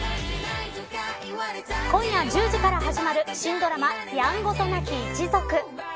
今夜１０時から始まる新ドラマやんごとなき一族。